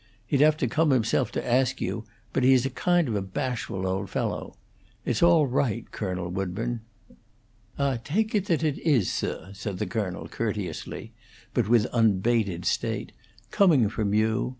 He'd have come himself to ask you, but he's a kind of a bashful old fellow. It's all right, Colonel Woodburn." "I take it that it is, sir," said the colonel, courteously, but with unabated state, "coming from you.